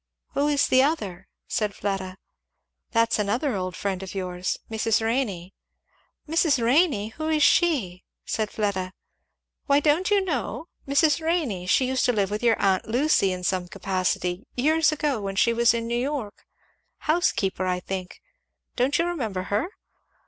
"Who is the other?" said Fleda. "That's another old friend of yours Mrs. Renney." "Mrs. Renney? who is she?" said Fleda. "Why don't you know? Mrs. Renney she used to live with your aunt Lucy in some capacity years ago, when she was in New York, housekeeper, I think; don't you remember her?"